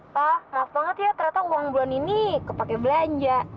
wah maaf banget ya ternyata uang bulan ini kepake belanja